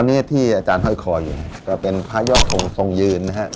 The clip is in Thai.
อันนี้ที่อาจารย์ห้อยคออยู่ก็เป็นพระยอดทรงทรงยืนนะครับ